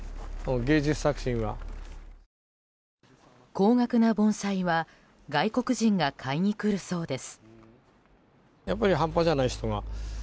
高額な盆栽は外国人が買いに来るそうです。